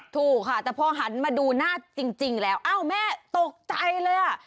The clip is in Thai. ถูกค่ะแต่พอหันมาดูหน้าจริงแล้วอ้าวแม่ตกใจเลยอ่ะ